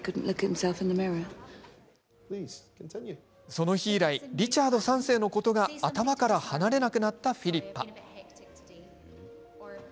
その日以来リチャード３世のことが頭から離れなくなったフィリッパ。